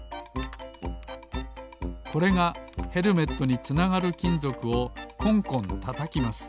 これがヘルメットにつながるきんぞくをコンコンたたきます